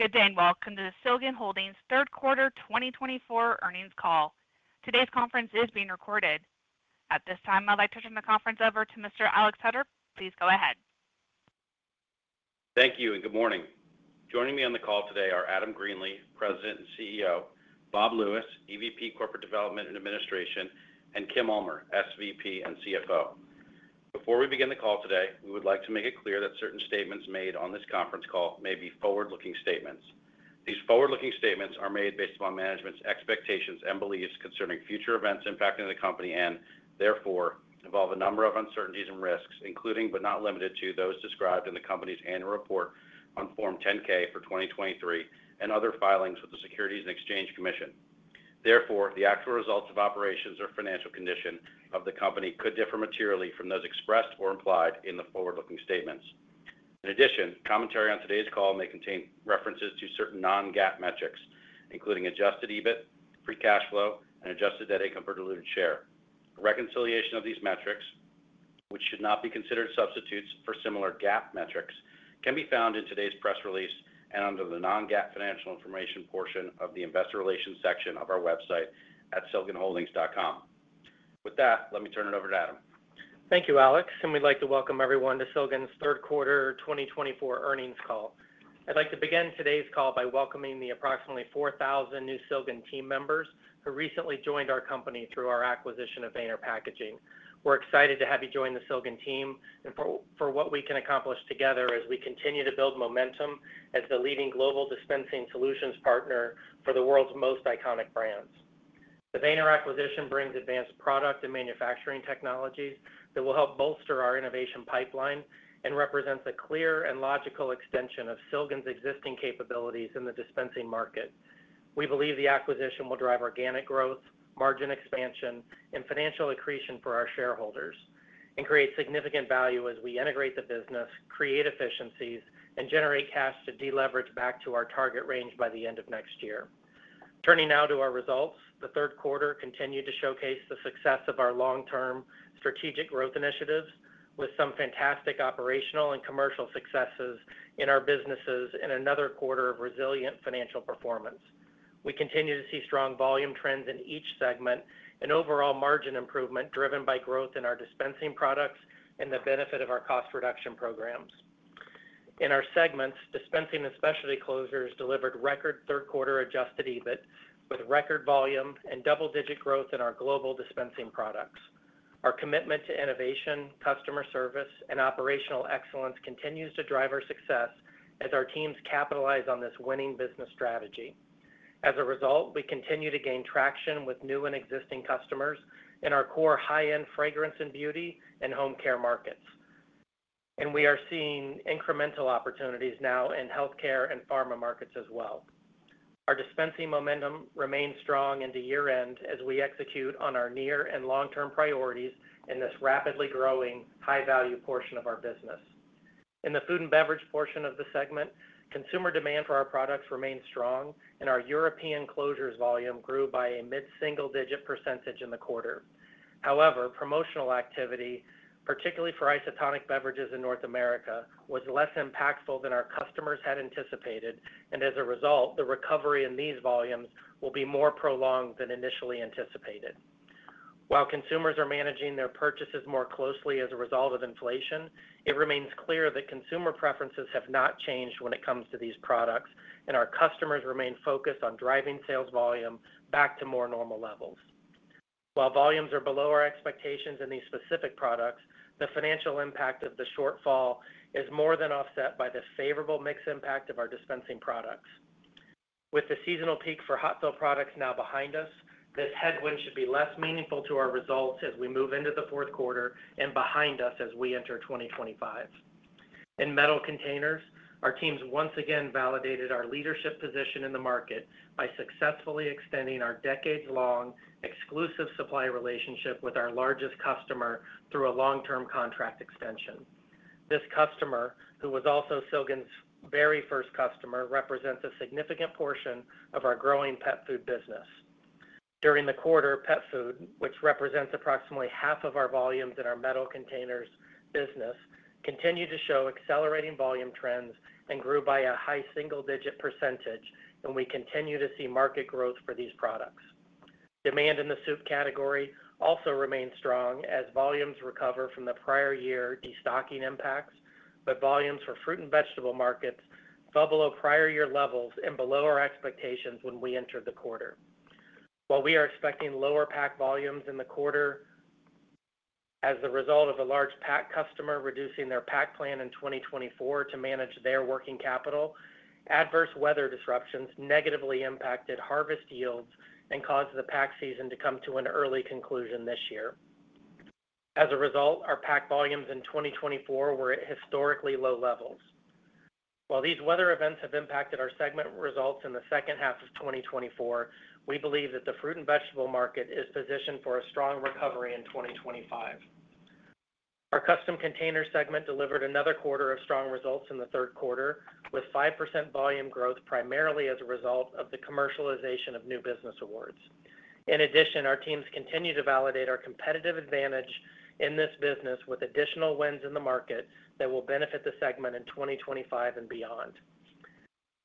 Good day, and welcome to Silgan Holdings' third quarter 2024 earnings call. Today's conference is being recorded. At this time, I'd like to turn the conference over to Mr. Alex Hutter. Please go ahead. Thank you, and good morning. Joining me on the call today are Adam Greenlee, President and CEO; Bob Lewis, EVP Corporate Development and Administration; and Kim Ulmer, SVP and CFO. Before we begin the call today, we would like to make it clear that certain statements made on this conference call may be forward-looking statements. These forward-looking statements are made based upon management's expectations and beliefs concerning future events impacting the company and, therefore, involve a number of uncertainties and risks, including but not limited to those described in the company's annual report on Form 10-K for 2023 and other filings with the Securities and Exchange Commission. Therefore, the actual results of operations or financial condition of the company could differ materially from those expressed or implied in the forward-looking statements. In addition, commentary on today's call may contain references to certain non-GAAP metrics, including adjusted EBIT, Free Cash Flow, and adjusted net income per diluted share. A reconciliation of these metrics, which should not be considered substitutes for similar GAAP metrics, can be found in today's press release and under the non-GAAP financial information portion of the investor relations section of our website at silganholdings.com. With that, let me turn it over to Adam. Thank you, Alex. And we'd like to welcome everyone to Silgan's third quarter 2024 earnings call. I'd like to begin today's call by welcoming the approximately 4,000 new Silgan team members who recently joined our company through our acquisition of Weener Plastics. We're excited to have you join the Silgan team and for what we can accomplish together as we continue to build momentum as the leading global dispensing solutions partner for the world's most iconic brands. The Weener acquisition brings advanced product and manufacturing technologies that will help bolster our innovation pipeline and represents a clear and logical extension of Silgan's existing capabilities in the dispensing market. We believe the acquisition will drive organic growth, margin expansion, and financial accretion for our shareholders, and create significant value as we integrate the business, create efficiencies, and generate cash to deleverage back to our target range by the end of next year. Turning now to our results, the third quarter continued to showcase the success of our long-term strategic growth initiatives with some fantastic operational and commercial successes in our businesses and another quarter of resilient financial performance. We continue to see strong volume trends in each segment and overall margin improvement driven by growth in our dispensing products and the benefit of our cost reduction programs. In our segments, dispensing and specialty closures delivered record third quarter Adjusted EBIT with record volume and double-digit growth in our global dispensing products. Our commitment to innovation, customer service, and operational excellence continues to drive our success as our teams capitalize on this winning business strategy. As a result, we continue to gain traction with new and existing customers in our core high-end fragrance and beauty and home care markets. And we are seeing incremental opportunities now in healthcare and pharma markets as well. Our dispensing momentum remains strong into year-end as we execute on our near and long-term priorities in this rapidly growing high-value portion of our business. In the food and beverage portion of the segment, consumer demand for our products remains strong, and our European closures volume grew by a mid-single-digit % in the quarter. However, promotional activity, particularly for isotonic beverages in North America, was less impactful than our customers had anticipated, and as a result, the recovery in these volumes will be more prolonged than initially anticipated. While consumers are managing their purchases more closely as a result of inflation, it remains clear that consumer preferences have not changed when it comes to these products, and our customers remain focused on driving sales volume back to more normal levels. While volumes are below our expectations in these specific products, the financial impact of the shortfall is more than offset by the favorable mix impact of our dispensing products. With the seasonal peak for hot-fill products now behind us, this headwind should be less meaningful to our results as we move into the fourth quarter and behind us as we enter 2025. In metal containers, our teams once again validated our leadership position in the market by successfully extending our decades-long exclusive supply relationship with our largest customer through a long-term contract extension. This customer, who was also Silgan's very first customer, represents a significant portion of our growing pet food business. During the quarter, pet food, which represents approximately half of our volumes in our metal containers business, continued to show accelerating volume trends and grew by a high single-digit percentage, and we continue to see market growth for these products. Demand in the soup category also remained strong as volumes recovered from the prior year destocking impacts, but volumes for fruit and vegetable markets fell below prior year levels and below our expectations when we entered the quarter. While we are expecting lower pack volumes in the quarter as a result of a large pack customer reducing their pack plan in 2024 to manage their working capital, adverse weather disruptions negatively impacted harvest yields and caused the pack season to come to an early conclusion this year. As a result, our pack volumes in 2024 were at historically low levels. While these weather events have impacted our segment results in the second half of 2024, we believe that the fruit and vegetable market is positioned for a strong recovery in 2025. Our custom container segment delivered another quarter of strong results in the third quarter with 5% volume growth primarily as a result of the commercialization of new business awards. In addition, our teams continue to validate our competitive advantage in this business with additional wins in the market that will benefit the segment in 2025 and beyond.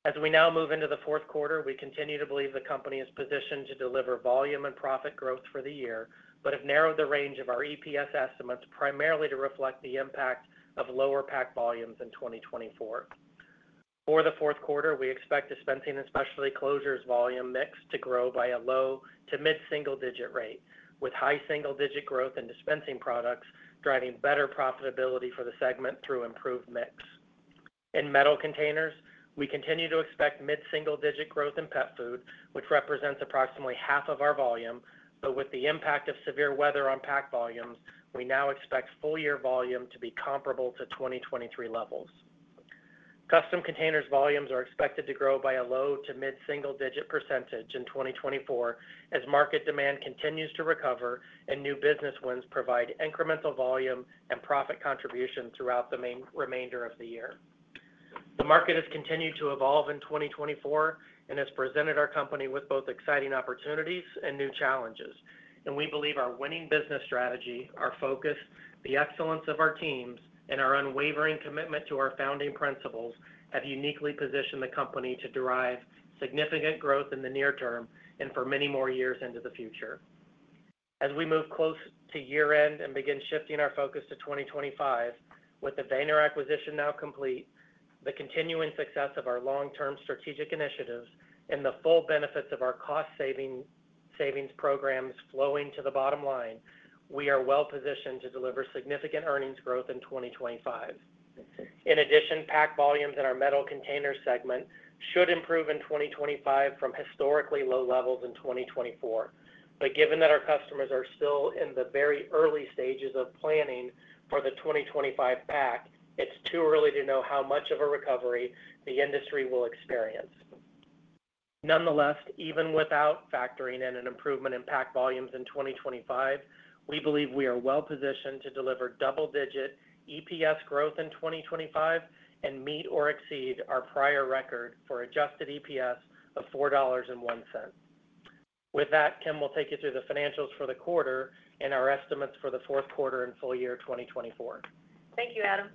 As we now move into the fourth quarter, we continue to believe the company is positioned to deliver volume and profit growth for the year but have narrowed the range of our EPS estimates primarily to reflect the impact of lower pack volumes in 2024. For the fourth quarter, we expect dispensing and specialty closures volume mix to grow by a low to mid-single-digit rate, with high single-digit growth in dispensing products driving better profitability for the segment through improved mix. In metal containers, we continue to expect mid-single-digit growth in pet food, which represents approximately half of our volume, but with the impact of severe weather on pack volumes, we now expect full-year volume to be comparable to 2023 levels. Custom containers volumes are expected to grow by a low to mid-single-digit % in 2024 as market demand continues to recover and new business wins provide incremental volume and profit contribution throughout the remainder of the year. The market has continued to evolve in 2024 and has presented our company with both exciting opportunities and new challenges. We believe our winning business strategy, our focus, the excellence of our teams, and our unwavering commitment to our founding principles have uniquely positioned the company to derive significant growth in the near term and for many more years into the future. As we move close to year-end and begin shifting our focus to 2025, with the Weener acquisition now complete, the continuing success of our long-term strategic initiatives, and the full benefits of our cost-savings programs flowing to the bottom line, we are well-positioned to deliver significant earnings growth in 2025. In addition, pack volumes in our metal container segment should improve in 2025 from historically low levels in 2024. Given that our customers are still in the very early stages of planning for the 2025 pack, it's too early to know how much of a recovery the industry will experience. Nonetheless, even without factoring in an improvement in pack volumes in 2025, we believe we are well-positioned to deliver double-digit EPS growth in 2025 and meet or exceed our prior record for adjusted EPS of $4.01. With that, Kim, we'll take you through the financials for the quarter and our estimates for the fourth quarter and full year 2024. Thank you, Adam.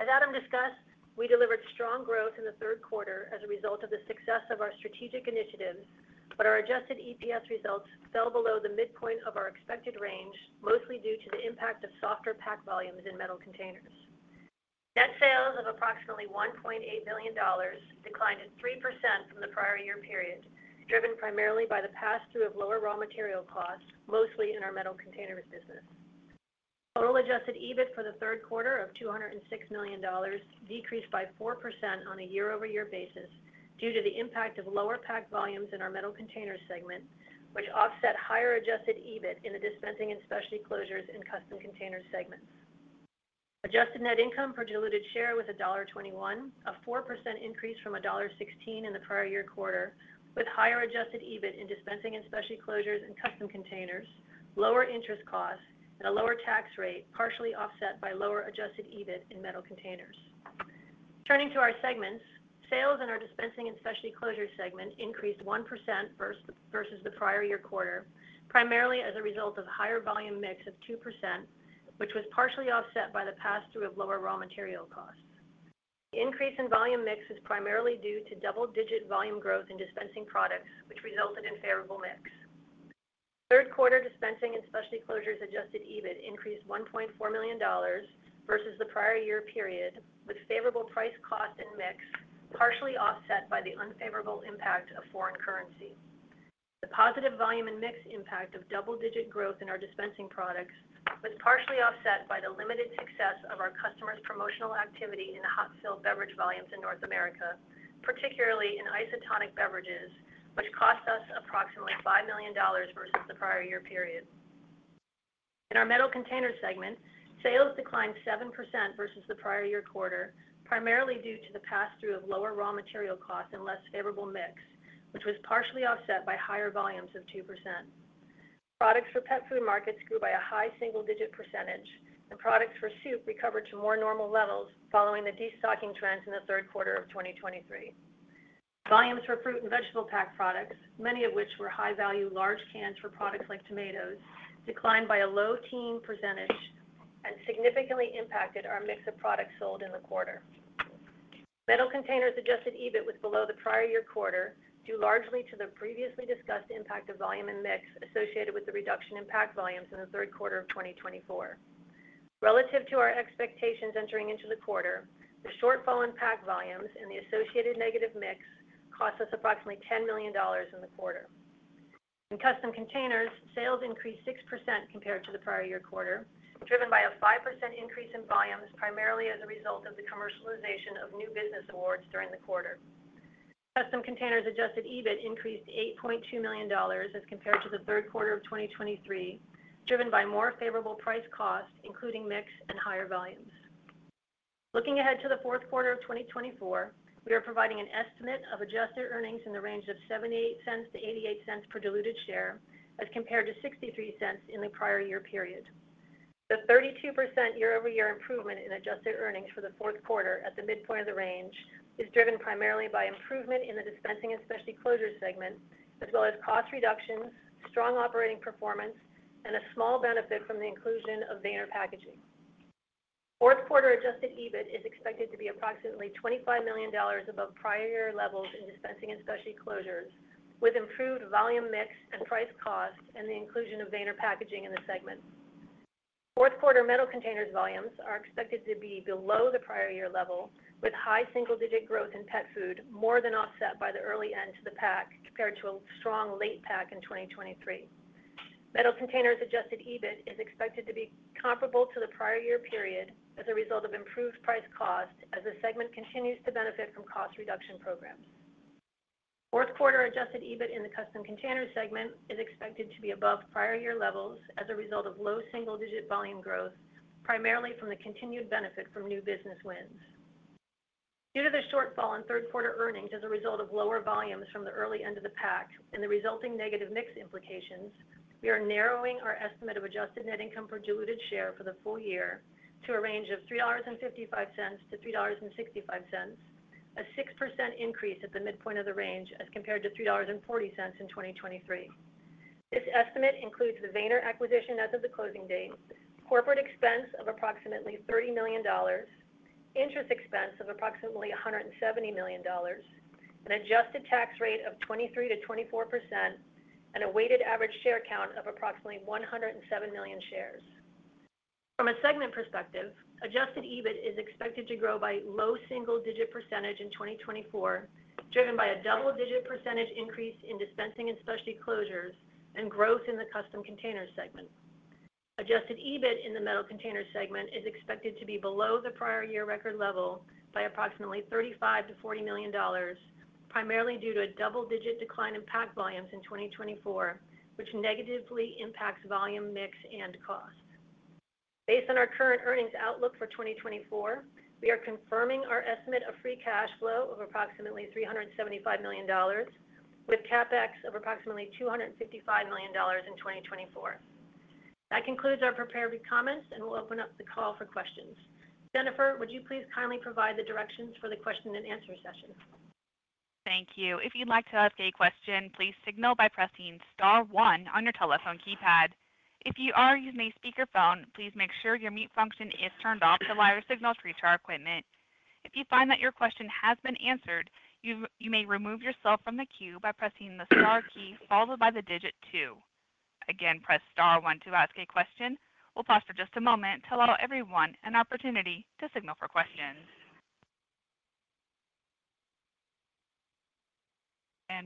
As Adam discussed, we delivered strong growth in the third quarter as a result of the success of our strategic initiatives, but our adjusted EPS results fell below the midpoint of our expected range, mostly due to the impact of softer pack volumes in metal containers. Net sales of approximately $1.8 billion declined at 3% from the prior year period, driven primarily by the pass-through of lower raw material costs, mostly in our metal containers business. Total adjusted EBIT for the third quarter of $206 million decreased by 4% on a year-over-year basis due to the impact of lower pack volumes in our metal containers segment, which offset higher adjusted EBIT in the dispensing and specialty closures in custom containers segments. Adjusted net income per diluted share was $1.21, a 4% increase from $1.16 in the prior year quarter, with higher adjusted EBIT in dispensing and specialty closures in custom containers, lower interest costs, and a lower tax rate partially offset by lower adjusted EBIT in metal containers. Turning to our segments, sales in our dispensing and specialty closures segment increased 1% versus the prior year quarter, primarily as a result of a higher volume mix of 2%, which was partially offset by the pass-through of lower raw material costs. The increase in volume mix is primarily due to double-digit volume growth in dispensing products, which resulted in favorable mix. Third quarter dispensing and specialty closures adjusted EBIT increased $1.4 million versus the prior year period, with favorable pricecost and mix partially offset by the unfavorable impact of foreign currency. The positive volume and mix impact of double-digit growth in our dispensing products was partially offset by the limited success of our customers' promotional activity in hot fill beverage volumes in North America, particularly in isotonic beverages, which cost us approximately $5 million versus the prior year period. In our metal container segment, sales declined 7% versus the prior year quarter, primarily due to the pass-through of lower raw material costs and less favorable mix, which was partially offset by higher volumes of 2%. Products for pet food markets grew by a high single-digit percentage, and products for soup recovered to more normal levels following the destocking trends in the third quarter of 2023. Volumes for fruit and vegetable pack products, many of which were high-value large cans for products like tomatoes, declined by a low teen percentage and significantly impacted our mix of products sold in the quarter. Metal containers Adjusted EBIT was below the prior year quarter due largely to the previously discussed impact of volume and mix associated with the reduction in pack volumes in the third quarter of 2024. Relative to our expectations entering into the quarter, the shortfall in pack volumes and the associated negative mix cost us approximately $10 million in the quarter. In custom containers, sales increased 6% compared to the prior year quarter, driven by a 5% increase in volumes primarily as a result of the commercialization of new business awards during the quarter. custom containers adjusted EBIT increased $8.2 million as compared to the third quarter of 2023, driven by more favorable price costs, including mix and higher volumes. Looking ahead to the fourth quarter of 2024, we are providing an estimate of adjusted earnings in the range of $0.78-$0.88 per diluted share as compared to $0.63 in the prior year period. The 32% year-over-year improvement in adjusted earnings for the fourth quarter at the midpoint of the range is driven primarily by improvement in the dispensing and specialty closures segment, as well as cost reductions, strong operating performance, and a small benefit from the inclusion of Weener Packaging. Fourth quarter adjusted EBIT is expected to be approximately $25 million above prior year levels in dispensing and specialty closures, with improved volume mix and price costs and the inclusion of Weener Packaging in the segment. Fourth quarter metal containers volumes are expected to be below the prior year level, with high single-digit growth in pet food more than offset by the early end to the pack compared to a strong late pack in 2023. Metal containers adjusted EBIT is expected to be comparable to the prior year period as a result of improved price costs as the segment continues to benefit from cost reduction programs. Fourth quarter adjusted EBIT in the custom containers segment is expected to be above prior year levels as a result of low single-digit volume growth, primarily from the continued benefit from new business wins. Due to the shortfall in third quarter earnings as a result of lower volumes from the early end of the pack and the resulting negative mix implications, we are narrowing our estimate of adjusted net income per diluted share for the full year to a range of $3.55-$3.65, a 6% increase at the midpoint of the range as compared to $3.40 in 2023. This estimate includes the Weener acquisition as of the closing date, corporate expense of approximately $30 million, interest expense of approximately $170 million, an adjusted tax rate of 23%-24%, and a weighted average share count of approximately 107 million shares. From a segment perspective, adjusted EBIT is expected to grow by low single-digit percentage in 2024, driven by a double-digit percentage increase in dispensing and specialty closures and growth in the custom container segment. Adjusted EBIT in the metal container segment is expected to be below the prior year record level by approximately $35 million-$40 million, primarily due to a double-digit decline in pack volumes in 2024, which negatively impacts volume mix and costs. Based on our current earnings outlook for 2024, we are confirming our estimate of Free Cash Flow of approximately $375 million, with CapEx of approximately $255 million in 2024. That concludes our prepared comments, and we'll open up the call for questions. Jennifer, would you please kindly provide the directions for the question-and-answer session? Thank you. If you'd like to ask a question, please signal by pressing star one on your telephone keypad. If you are using a speakerphone, please make sure your mute function is turned off to allow your signal to reach our equipment. If you find that your question has been answered, you may remove yourself from the queue by pressing the star key followed by the digit two. Again, press star one to ask a question. We'll pause for just a moment to allow everyone an opportunity to signal for questions.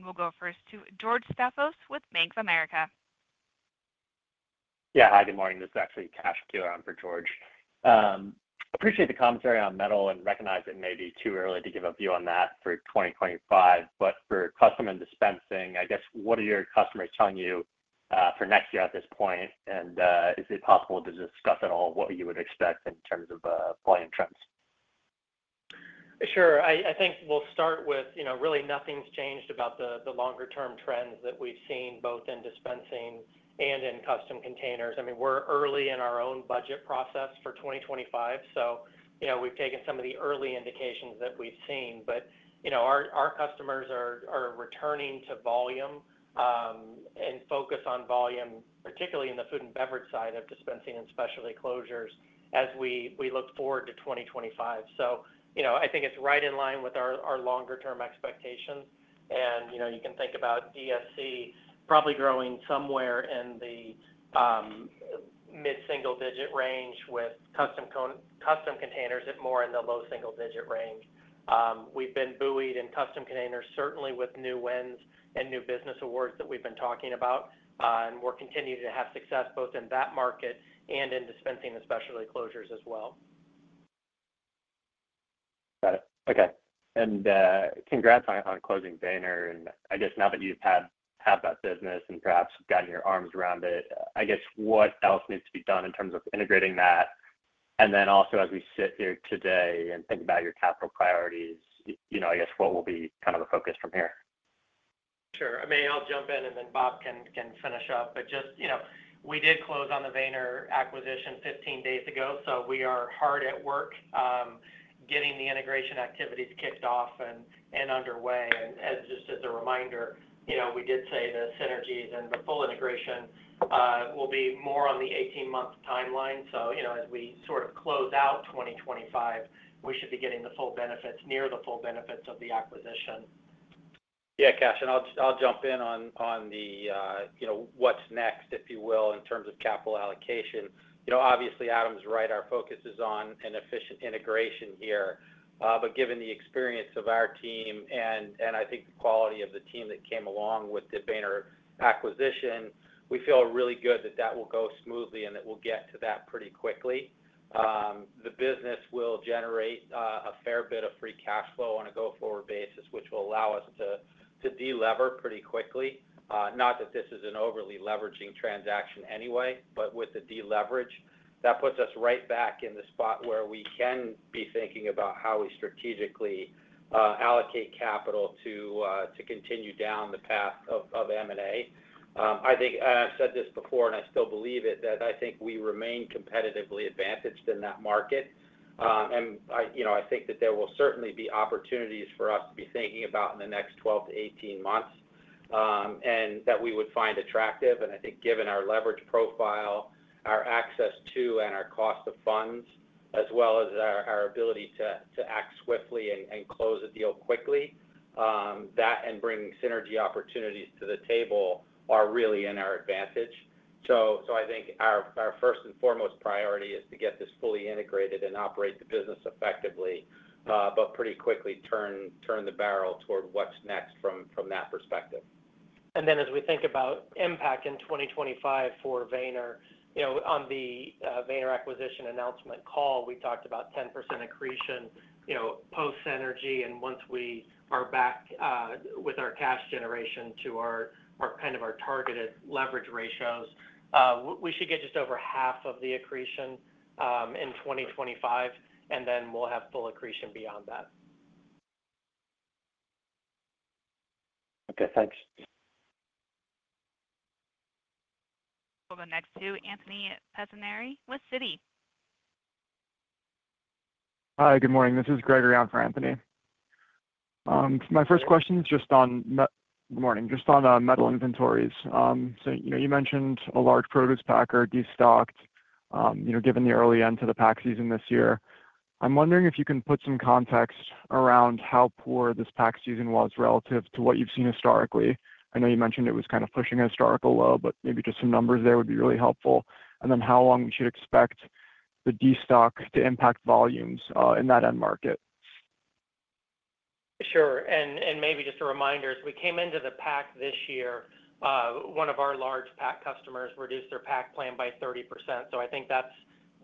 We'll go first to George Staphos with Bank of America. Yeah, hi, good morning. This is actually Kash on for George. Appreciate the commentary on metal and recognize it may be too early to give a view on that for 2025. But for custom and dispensing, I guess, what are your customers telling you for next year at this point? And is it possible to discuss at all what you would expect in terms of volume trends? Sure. I think we'll start with, really, nothing's changed about the longer-term trends that we've seen both in dispensing and in custom containers. I mean, we're early in our own budget process for 2025, so we've taken some of the early indications that we've seen. But our customers are returning to volume and focus on volume, particularly in the food and beverage side of dispensing and specialty closures, as we look forward to 2025. So I think it's right in line with our longer-term expectations. And you can think about DSC probably growing somewhere in the mid-single-digit range with custom containers at more in the low single-digit range. We've been buoyed in custom containers, certainly with new wins and new business awards that we've been talking about. And we're continuing to have success both in that market and in dispensing and specialty closures as well. Got it. Okay. And congrats on closing Weener. And I guess now that you've had that business and perhaps gotten your arms around it, I guess what else needs to be done in terms of integrating that? And then also, as we sit here today and think about your capital priorities, I guess what will be kind of the focus from here? Sure. I mean, I'll jump in, and then Bob can finish up, but just, we did close on the Weener acquisition 15 days ago, so we are hard at work getting the integration activities kicked off and underway, and just as a reminder, we did say the synergies and the full integration will be more on the 18-month timeline, so as we sort of close out 2025, we should be getting the full benefits, near the full benefits of the acquisition. Yeah, Kash, and I'll jump in on the what's next, if you will, in terms of capital allocation. Obviously, Adam's right. Our focus is on an efficient integration here. But given the experience of our team and I think the quality of the team that came along with the Weener acquisition, we feel really good that that will go smoothly and that we'll get to that pretty quickly. The business will generate a fair bit of Free Cash Flow on a go-forward basis, which will allow us to delever pretty quickly. Not that this is an overly leveraging transaction anyway, but with the deleverage, that puts us right back in the spot where we can be thinking about how we strategically allocate capital to continue down the path of M&A. I think, and I've said this before, and I still believe it, that I think we remain competitively advantaged in that market. And I think that there will certainly be opportunities for us to be thinking about in the next 12 months, 18 months and that we would find attractive. And I think given our leverage profile, our access to, and our cost of funds, as well as our ability to act swiftly and close a deal quickly, that and bringing synergy opportunities to the table are really in our advantage. So I think our first and foremost priority is to get this fully integrated and operate the business effectively, but pretty quickly turn the barrel toward what's next from that perspective. And then as we think about impact in 2025 for Weener, on the Weener acquisition announcement call, we talked about 10% accretion post-synergy. And once we are back with our cash generation to kind of our targeted leverage ratios, we should get just over half of the accretion in 2025, and then we'll have full accretion beyond that. Okay, thanks. For the next two, Anthony Pettinari with Citi. Hi, good morning. This is Gregory on for Anthony. My first question is just on metal inventories. So you mentioned a large produce packer destocked given the early end to the pack season this year. I'm wondering if you can put some context around how poor this pack season was relative to what you've seen historically. I know you mentioned it was kind of pushing a historical low, but maybe just some numbers there would be really helpful. And then how long we should expect the destock to impact volumes in that end market. Sure. And maybe just a reminder, as we came into the pack this year, one of our large pack customers reduced their pack plan by 30%. So I think that's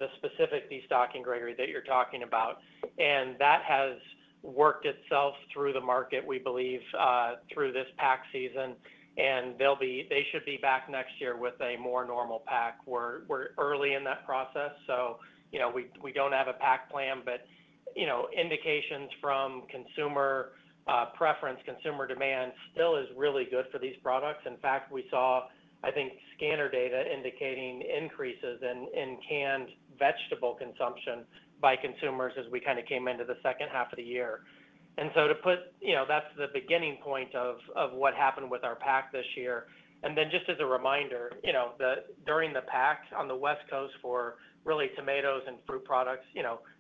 the specific destocking, Gregory, that you're talking about. And that has worked itself through the market, we believe, through this pack season. And they should be back next year with a more normal pack. We're early in that process, so we don't have a pack plan. But indications from consumer preference, consumer demand still is really good for these products. In fact, we saw, I think, scanner data indicating increases in canned vegetable consumption by consumers as we kind of came into the second half of the year. And so, to put that as the beginning point of what happened with our pack this year. And then, just as a reminder, during the pack on the West Coast for really tomatoes and fruit products,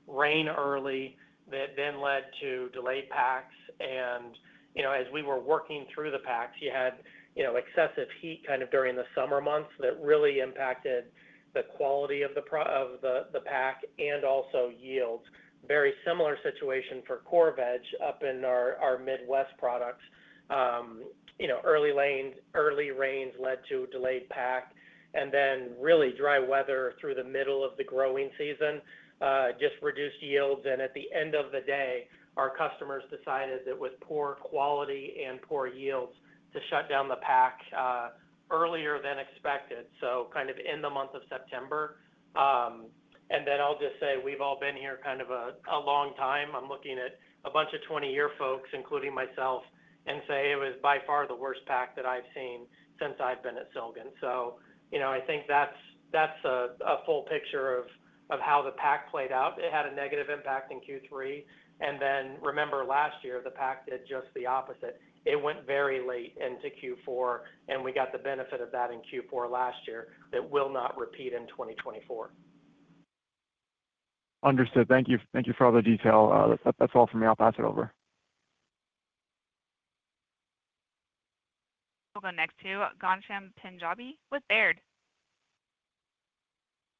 rain early that then led to delayed packs. And as we were working through the packs, you had excessive heat kind of during the summer months that really impacted the quality of the pack and also yields. Very similar situation for core veg up in our Midwest products. Early rains led to delayed pack. And then really dry weather through the middle of the growing season just reduced yields. And at the end of the day, our customers decided that with poor quality and poor yields to shut down the pack earlier than expected, so kind of in the month of September. And then I'll just say we've all been here kind of a long time. I'm looking at a bunch of 20-year folks, including myself, and say it was by far the worst pack that I've seen since I've been at Silgan. So I think that's a full picture of how the pack played out. It had a negative impact in Q3, and then remember last year, the pack did just the opposite. It went very late into Q4, and we got the benefit of that in Q4 last year that will not repeat in 2024. Understood. Thank you for all the detail. That's all from me. I'll pass it over. We'll go next to Ghansham Panjabi with Baird.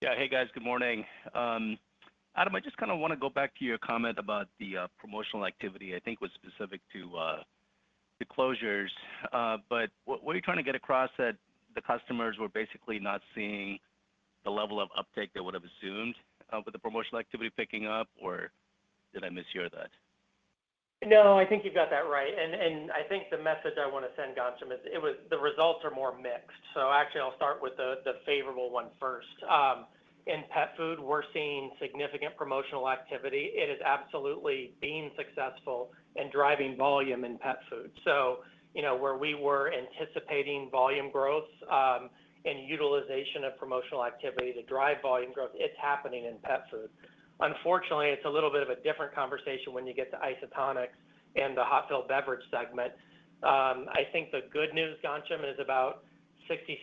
Yeah. Hey, guys. Good morning. Adam, I just kind of want to go back to your comment about the promotional activity. I think it was specific to the closures. But what are you trying to get across? That the customers were basically not seeing the level of uptake they would have assumed with the promotional activity picking up, or did I mishear that? No, I think you've got that right. And I think the message I want to send, Ghansham, is the results are more mixed. So actually, I'll start with the favorable one first. In pet food, we're seeing significant promotional activity. It is absolutely being successful and driving volume in pet food. So where we were anticipating volume growth and utilization of promotional activity to drive volume growth, it's happening in pet food. Unfortunately, it's a little bit of a different conversation when you get to isotonics and the hot-filled beverage segment. I think the good news, Ghansham, is about 67%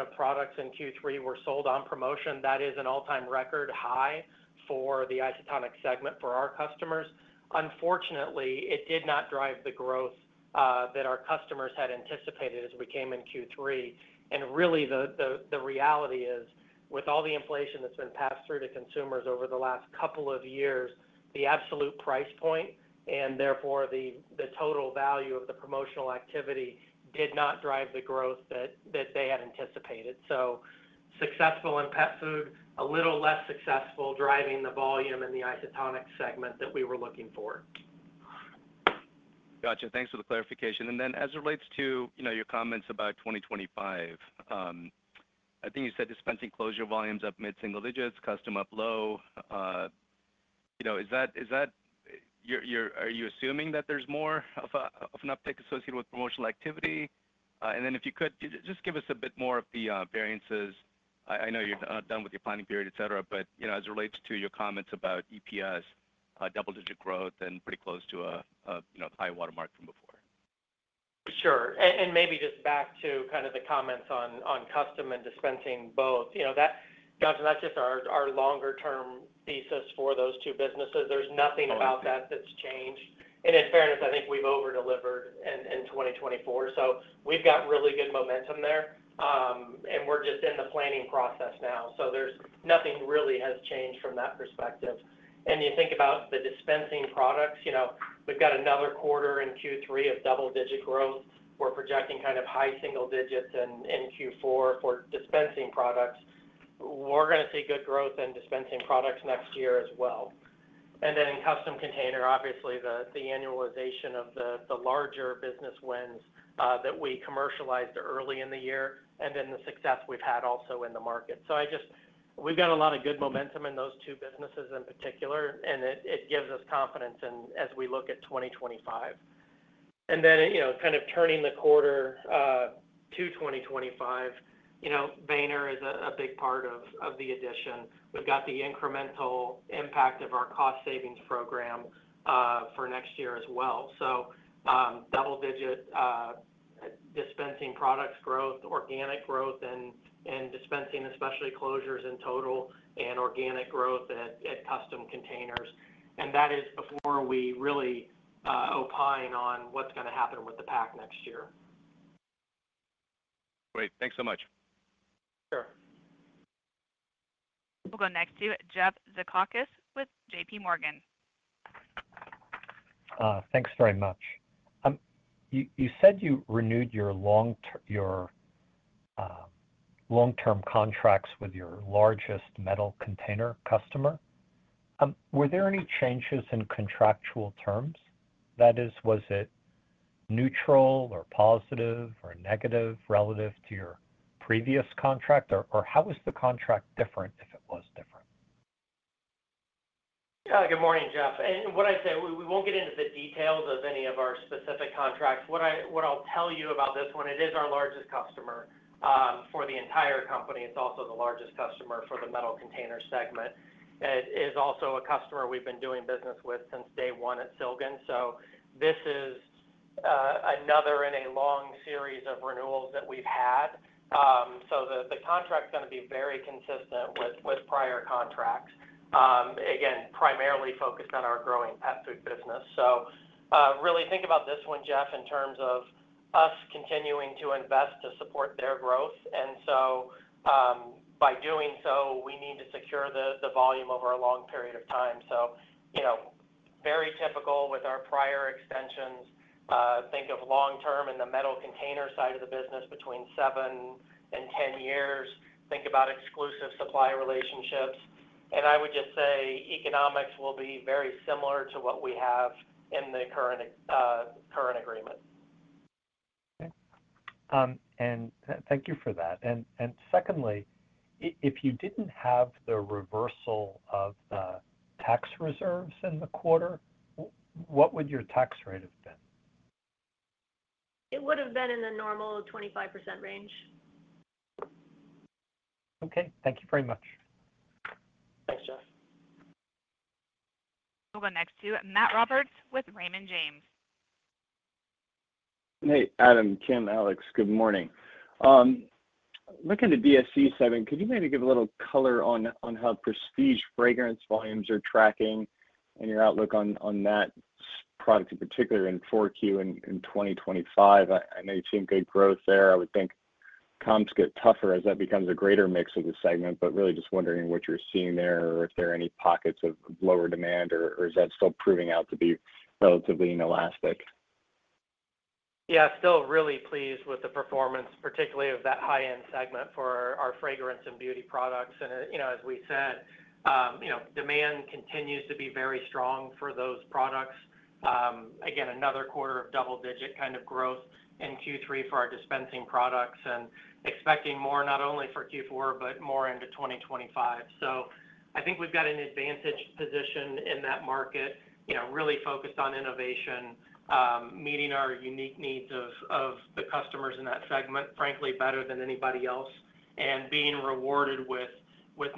of products in Q3 were sold on promotion. That is an all-time record high for the isotonic segment for our customers. Unfortunately, it did not drive the growth that our customers had anticipated as we came in Q3. Really, the reality is, with all the inflation that's been passed through to consumers over the last couple of years, the absolute price point and therefore the total value of the promotional activity did not drive the growth that they had anticipated. Successful in pet food, a little less successful driving the volume in the isotonic segment that we were looking for. Gotcha. Thanks for the clarification, and then as it relates to your comments about 2025, I think you said dispensing closure volumes up mid-single digits, custom up low. Are you assuming that there's more of an uptake associated with promotional activity, and then if you could, just give us a bit more of the variances. I know you're done with your planning period, etc., but as it relates to your comments about EPS, double-digit growth, and pretty close to a high watermark from before. Sure. And maybe just back to kind of the comments on custom and dispensing both. Ghansham, that's just our longer-term thesis for those two businesses. There's nothing about that that's changed. And in fairness, I think we've overdelivered in 2024. So we've got really good momentum there, and we're just in the planning process now. So there's nothing really has changed from that perspective. And you think about the dispensing products, we've got another quarter in Q3 of double-digit growth. We're projecting kind of high single digits in Q4 for dispensing products. We're going to see good growth in dispensing products next year as well. And then in custom container, obviously, the annualization of the larger business wins that we commercialized early in the year, and then the success we've had also in the market. So we've got a lot of good momentum in those two businesses in particular, and it gives us confidence as we look at 2025. And then kind of turning the quarter to 2025, Weener is a big part of the addition. We've got the incremental impact of our cost savings program for next year as well. So double-digit dispensing products growth, organic growth, and dispensing and specialty closures in total, and organic growth at custom containers. And that is before we really opine on what's going to happen with the pack next year. Great. Thanks so much. Sure. We'll go next to Jeff Zekauskas with JPMorgan. Thanks very much. You said you renewed your long-term contracts with your largest metal container customer. Were there any changes in contractual terms? That is, was it neutral or positive or negative relative to your previous contract? Or how was the contract different if it was different? Yeah. Good morning, Jeff. And what I say, we won't get into the details of any of our specific contracts. What I'll tell you about this one, it is our largest customer for the entire company. It's also the largest customer for the metal container segment. It is also a customer we've been doing business with since day one at Silgan. So this is another in a long series of renewals that we've had. So the contract's going to be very consistent with prior contracts, again, primarily focused on our growing pet food business. So really think about this one, Jeff, in terms of us continuing to invest to support their growth. And so by doing so, we need to secure the volume over a long period of time. So very typical with our prior extensions. Think of long-term in the metal container side of the business between seven and 10 years. Think about exclusive supply relationships, and I would just say economics will be very similar to what we have in the current agreement. Okay. And thank you for that. And secondly, if you didn't have the reversal of the tax reserves in the quarter, what would your tax rate have been? It would have been in the normal 25% range. Okay. Thank you very much. Thanks, Jeff. We'll go next to Matt Roberts with Raymond James. Hey, Adam, Kim, Alex, good morning. Looking at DSC segment, could you maybe give a little color on how prestige fragrance volumes are tracking and your outlook on that product in particular in 4Q and in 2025? I know you've seen good growth there. I would think comps get tougher as that becomes a greater mix of the segment, but really just wondering what you're seeing there or if there are any pockets of lower demand, or is that still proving out to be relatively inelastic? Yeah. Still really pleased with the performance, particularly of that high-end segment for our fragrance and beauty products. And as we said, demand continues to be very strong for those products. Again, another quarter of double-digit kind of growth in Q3 for our dispensing products and expecting more not only for Q4, but more into 2025. So I think we've got an advantaged position in that market, really focused on innovation, meeting our unique needs of the customers in that segment, frankly, better than anybody else, and being rewarded with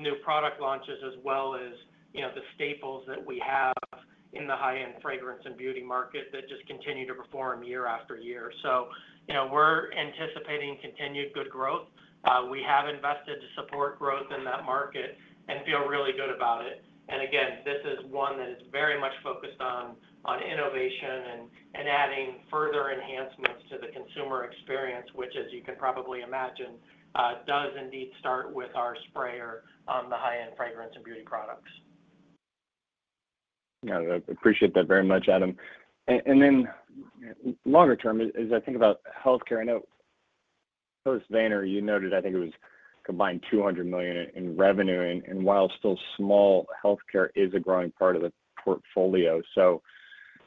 new product launches as well as the staples that we have in the high-end fragrance and beauty market that just continue to perform year after year. So we're anticipating continued good growth. We have invested to support growth in that market and feel really good about it. And again, this is one that is very much focused on innovation and adding further enhancements to the consumer experience, which, as you can probably imagine, does indeed start with our sprayer on the high-end fragrance and beauty products. Yeah. I appreciate that very much, Adam. And then longer term, as I think about healthcare, I know post-Weener, you noted, I think it was combined $200 million in revenue. And while still small, healthcare is a growing part of the portfolio. So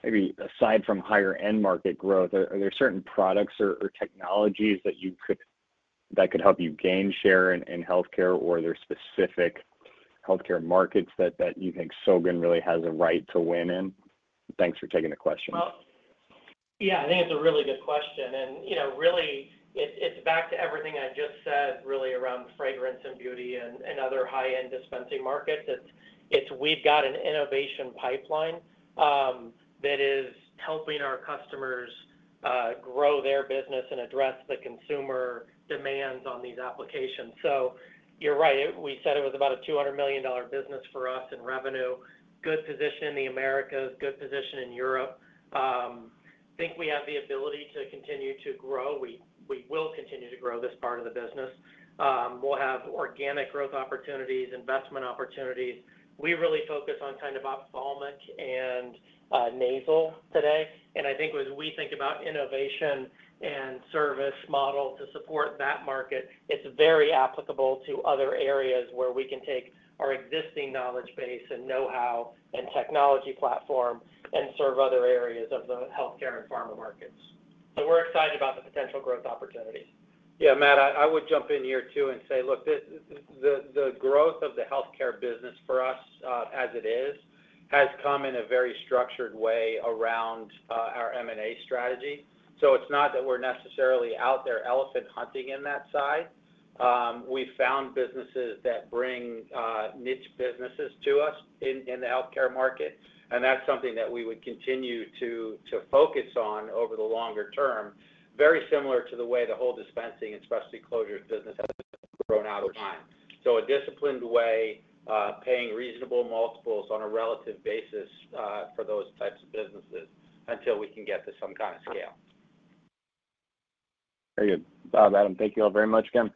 maybe aside from higher-end market growth, are there certain products or technologies that could help you gain share in healthcare or are there specific healthcare markets that you think Silgan really has a right to win in? Thanks for taking the question. Yeah, I think it's a really good question. Really, it's back to everything I just said, really around fragrance and beauty and other high-end dispensing markets. We've got an innovation pipeline that is helping our customers grow their business and address the consumer demands on these applications. You're right. We said it was about a $200 million business for us in revenue, good position in the Americas, good position in Europe. I think we have the ability to continue to grow. We will continue to grow this part of the business. We'll have organic growth opportunities, investment opportunities. We really focus on kind of ophthalmic and nasal today. I think as we think about innovation and service model to support that market, it's very applicable to other areas where we can take our existing knowledge base and know-how and technology platform and serve other areas of the healthcare and pharma markets. So we're excited about the potential growth opportunities. Yeah. Matt, I would jump in here too and say, look, the growth of the healthcare business for us as it is has come in a very structured way around our M&A strategy. So it's not that we're necessarily out there elephant hunting in that side. We've found businesses that bring niche businesses to us in the healthcare market. And that's something that we would continue to focus on over the longer term, very similar to the way the whole dispensing and specialty closures business has grown over time. So, a disciplined way, paying reasonable multiples on a relative basis for those types of businesses until we can get to some kind of scale. Very good. Adam, thank you all very much, Kim.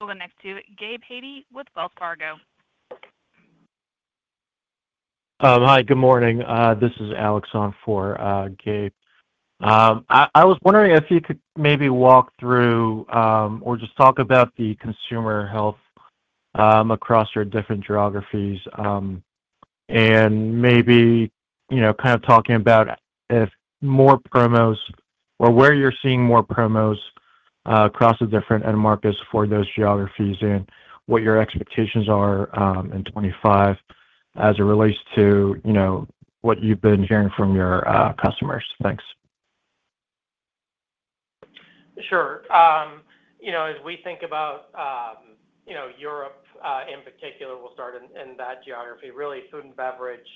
We'll go next to Gabe Hajde with Wells Fargo. Hi. Good morning. This is Alex on for Gabe. I was wondering if you could maybe walk through or just talk about the consumer health across your different geographies and maybe kind of talking about if more promos or where you're seeing more promos across the different end markets for those geographies and what your expectations are in 2025 as it relates to what you've been hearing from your customers. Thanks. Sure. As we think about Europe in particular, we'll start in that geography. Really, food and beverage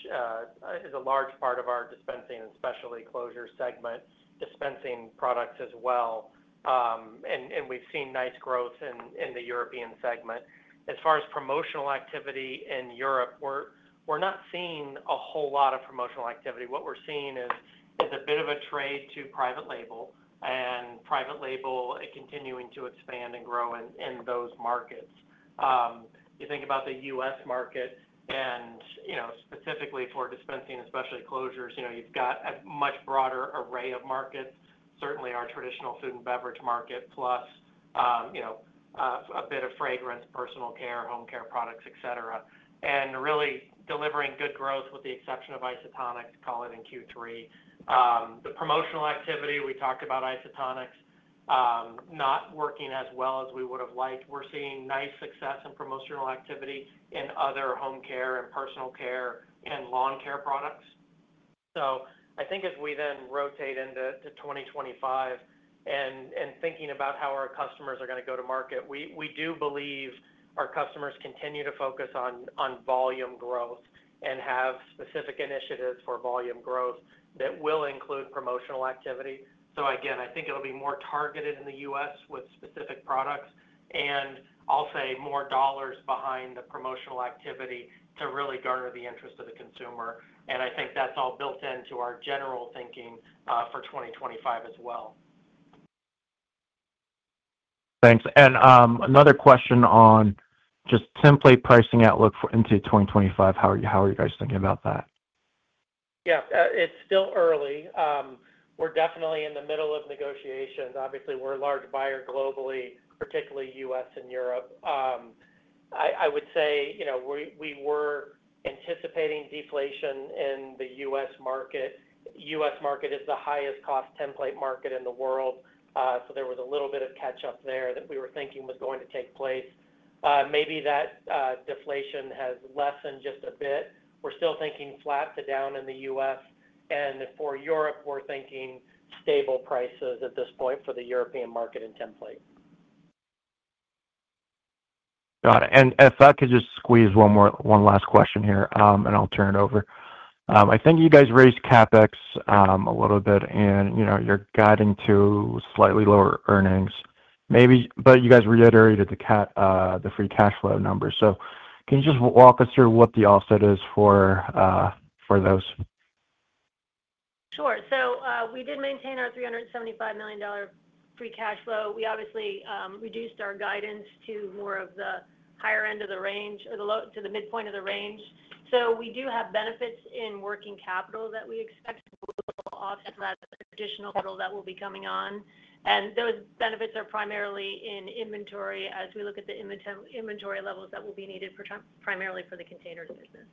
is a large part of our dispensing and specialty closures segment, dispensing products as well, and we've seen nice growth in the European segment. As far as promotional activity in Europe, we're not seeing a whole lot of promotional activity. What we're seeing is a bit of a trade to private label, and private label continuing to expand and grow in those markets. You think about the U.S. market, and specifically for dispensing and specialty closures, you've got a much broader array of markets, certainly our traditional food and beverage market, plus a bit of fragrance, personal care, home care products, etc., and really delivering good growth with the exception of isotonics, call it in Q3. The promotional activity, we talked about isotonics not working as well as we would have liked. We're seeing nice success in promotional activity in other home care and personal care and lawn care products. So I think as we then rotate into 2025 and thinking about how our customers are going to go to market, we do believe our customers continue to focus on volume growth and have specific initiatives for volume growth that will include promotional activity. So again, I think it'll be more targeted in the U.S. with specific products and, I'll say, more dollars behind the promotional activity to really garner the interest of the consumer. And I think that's all built into our general thinking for 2025 as well. Thanks. And another question on just tinplate pricing outlook into 2025. How are you guys thinking about that? Yeah. It's still early. We're definitely in the middle of negotiations. Obviously, we're a large buyer globally, particularly U.S. and Europe. I would say we were anticipating deflation in the U.S. market. The U.S. market is the highest-cost tinplate market in the world. So there was a little bit of catch-up there that we were thinking was going to take place. Maybe that deflation has lessened just a bit. We're still thinking flat to down in the U.S., and for Europe, we're thinking stable prices at this point for the European market and tinplate. Got it. And if I could just squeeze one last question here, and I'll turn it over. I think you guys raised CapEx a little bit, and you're guiding to slightly lower earnings. But you guys reiterated the Free Cash Flow numbers. So can you just walk us through what the offset is for those? Sure. So we did maintain our $375 million Free Cash Flow. We obviously reduced our guidance to more of the higher end of the range or to the midpoint of the range. So we do have benefits in working capital that we expect to be a little offset to that additional capital that will be coming on. And those benefits are primarily in inventory as we look at the inventory levels that will be needed primarily for the container business.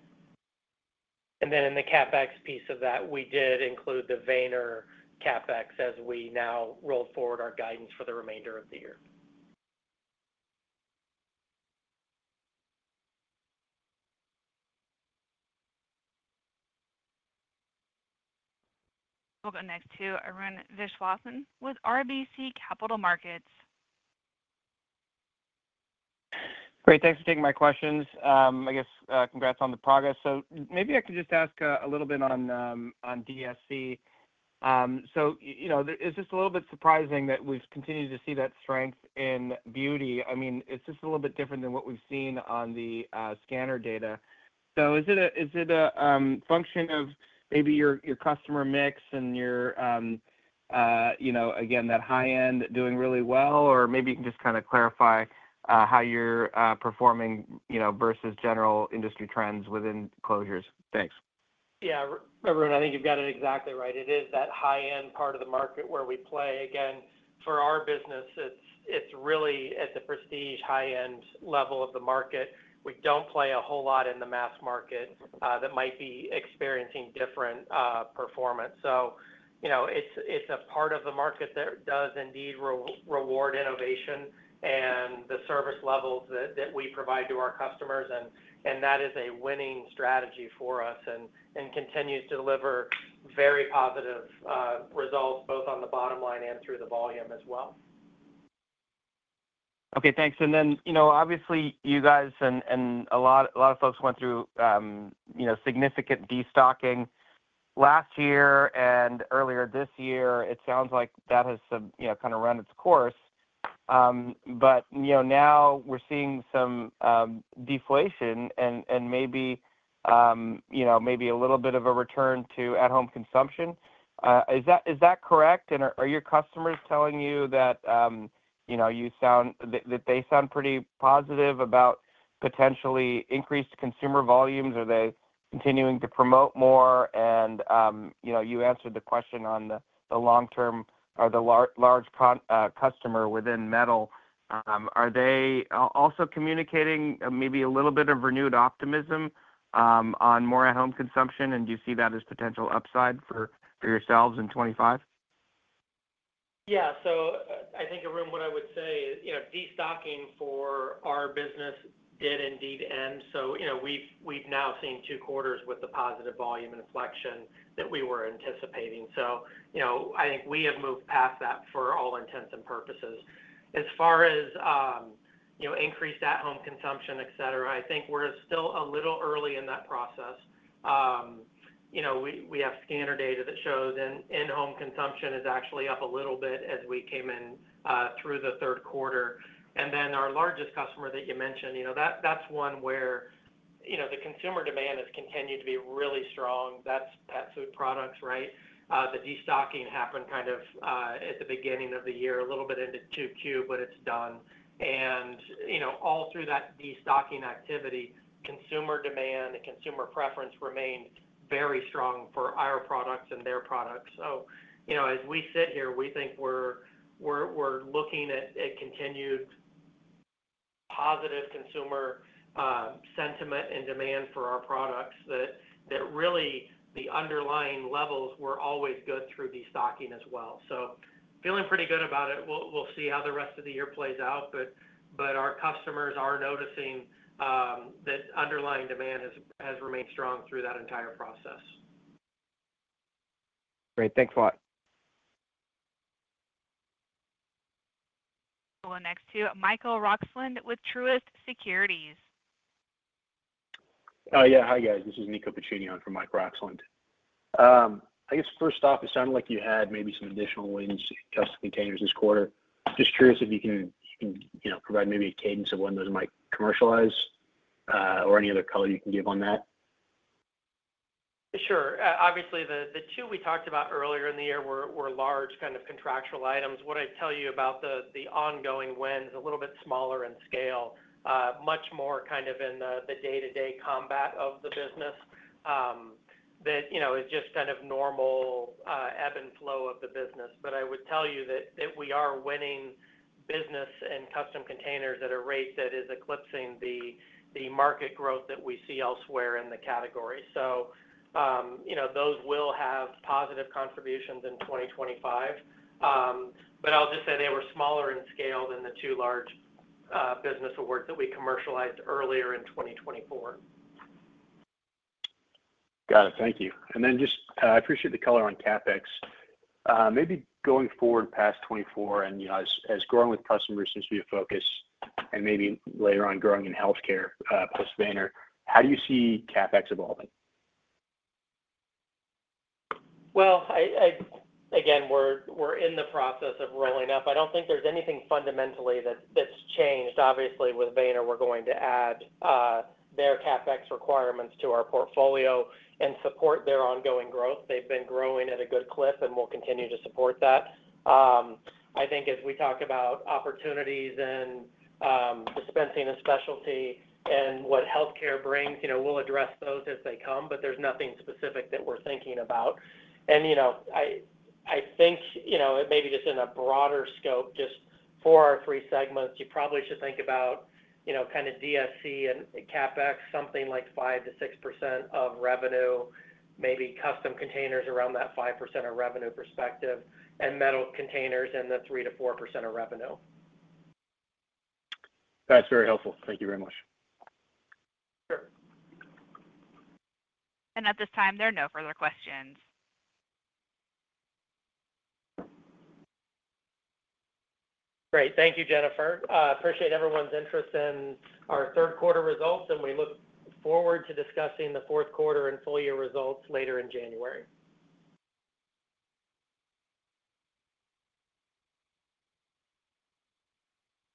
And then in the CapEx piece of that, we did include the Weener CapEx as we now rolled forward our guidance for the remainder of the year. We'll go next to Arun Viswanathan with RBC Capital Markets. Great. Thanks for taking my questions. I guess congrats on the progress. So maybe I could just ask a little bit on DSC. So it's just a little bit surprising that we've continued to see that strength in beauty. I mean, it's just a little bit different than what we've seen on the scanner data. So is it a function of maybe your customer mix and your, again, that high-end doing really well? Or maybe you can just kind of clarify how you're performing versus general industry trends within closures? Thanks. Yeah. Arun, I think you've got it exactly right. It is that high-end part of the market where we play. Again, for our business, it's really at the prestige high-end level of the market. We don't play a whole lot in the mass market that might be experiencing different performance. So it's a part of the market that does indeed reward innovation and the service levels that we provide to our customers. And that is a winning strategy for us and continues to deliver very positive results both on the bottom line and through the volume as well. Okay. Thanks. And then obviously, you guys and a lot of folks went through significant destocking last year and earlier this year. It sounds like that has kind of run its course. But now we're seeing some deflation and maybe a little bit of a return to at-home consumption. Is that correct? And are your customers telling you that they sound pretty positive about potentially increased consumer volumes? Are they continuing to promote more? And you answered the question on the long-term or the large customer within metal. Are they also communicating maybe a little bit of renewed optimism on more at-home consumption? And do you see that as potential upside for yourselves in 2025? Yeah. So I think, Arun, what I would say is destocking for our business did indeed end. So we've now seen two quarters with the positive volume inflection that we were anticipating. So I think we have moved past that for all intents and purposes. As far as increased at-home consumption, etc., I think we're still a little early in that process. We have scanner data that shows in-home consumption is actually up a little bit as we came in through the third quarter. And then our largest customer that you mentioned, that's one where the consumer demand has continued to be really strong. That's pet food products, right? The destocking happened kind of at the beginning of the year, a little bit into Q2, but it's done. And all through that destocking activity, consumer demand and consumer preference remained very strong for our products and their products. So as we sit here, we think we're looking at continued positive consumer sentiment and demand for our products. That really, the underlying levels were always good through destocking as well. So feeling pretty good about it. We'll see how the rest of the year plays out. But our customers are noticing that underlying demand has remained strong through that entire process. Great. Thanks a lot. We'll go next to Michael Roxland with Truist Securities. Oh, yeah. Hi, guys. This is Nico coming on for Michael Roxland. I guess first off, it sounded like you had maybe some additional wins in custom containers this quarter. Just curious if you can provide maybe a cadence of when those might commercialize or any other color you can give on that. Sure. Obviously, the two we talked about earlier in the year were large kind of contractual items. What I'd tell you about the ongoing wins is a little bit smaller in scale, much more kind of in the day-to-day combat of the business. It's just kind of normal ebb and flow of the business. But I would tell you that we are winning business and custom containers at a rate that is eclipsing the market growth that we see elsewhere in the category. So those will have positive contributions in 2025. But I'll just say they were smaller in scale than the two large business awards that we commercialized earlier in 2024. Got it. Thank you, and then just, I appreciate the color on CapEx. Maybe going forward past 2024 and as growing with customers seems to be a focus and maybe later on growing in healthcare post-Weener, how do you see CapEx evolving? Again, we're in the process of rolling up. I don't think there's anything fundamentally that's changed. Obviously, with Weener, we're going to add their CapEx requirements to our portfolio and support their ongoing growth. They've been growing at a good clip and will continue to support that. I think as we talk about opportunities and dispensing and specialty and what healthcare brings, we'll address those as they come. But there's nothing specific that we're thinking about. And I think maybe just in a broader scope, just for our three segments, you probably should think about kind of DSC and CapEx, something like 5%-6% of revenue, maybe custom containers around that 5% of revenue perspective, and metal containers in the 3%-4% of revenue. That's very helpful. Thank you very much. Sure. At this time, there are no further questions. Great. Thank you, Jennifer. Appreciate everyone's interest in our third quarter results, and we look forward to discussing the fourth quarter and full year results later in January.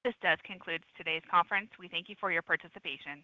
This does conclude today's conference. We thank you for your participation.